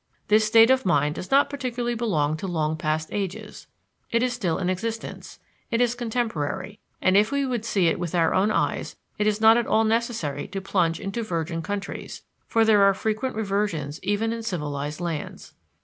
This state of mind does not particularly belong to long past ages. It is still in existence, it is contemporary, and if we would see it with our own eyes it is not at all necessary to plunge into virgin countries, for there are frequent reversions even in civilized lands.